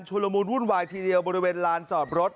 ละมุนวุ่นวายทีเดียวบริเวณลานจอดรถ